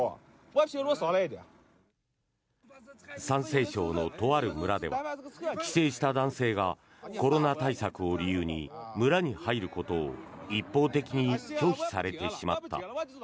山西省のとある村では帰省した男性がコロナ対策を理由に村に入ることを一方的に拒否されてしまった。